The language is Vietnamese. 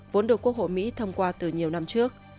vốn được quốc hội mỹ thông qua từ nhiều năm trước